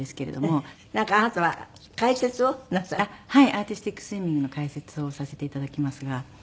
アーティスティックスイミングの解説をさせて頂きますが。